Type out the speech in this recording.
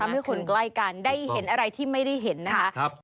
ให้คนใกล้กันได้เห็นอะไรที่ไม่ได้เห็นนะคะ